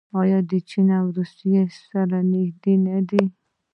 آیا له چین او روسیې سره نږدې نه دي؟